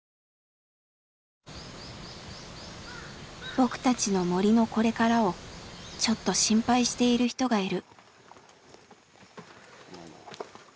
僕たちの森のこれからをちょっと心配している人がいる。